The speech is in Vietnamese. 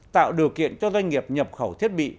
tạo điều kiện cho doanh nghiệp nhập khẩu thiết bị